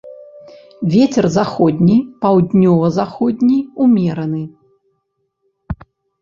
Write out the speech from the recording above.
Вецер заходні, паўднёва-заходні ўмераны.